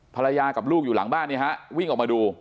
ภรรยากับลูกอยู่หลังบ้านเนี่ยฮะวิ่งออกมาดู